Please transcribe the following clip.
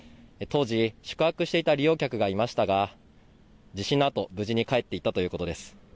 当時、宿泊していた利用客がいましたが地震のあと無事に帰っていったということです。